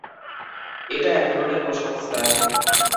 এটা এক ধরনের কুসংস্কার।